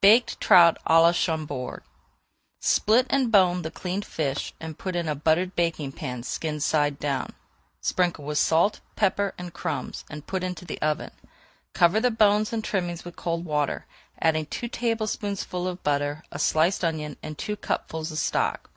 BAKED TROUT À LA CHAMBORD Split and bone the cleaned fish and put in a buttered baking pan skin side down. Sprinkle with salt, pepper, and crumbs, and put into the oven. Cover the bones and trimmings with cold water, adding two tablespoonfuls of butter, a sliced onion, and two cupfuls of stock.